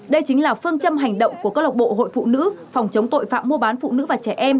đây chính là phương châm hành động của cơ lộc bộ hội phụ nữ phòng chống tội phạm mua bán phụ nữ và trẻ em